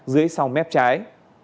dưới sau mép trái